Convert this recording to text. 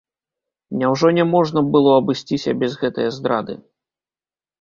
Няўжо няможна б было абысціся без гэтае здрады?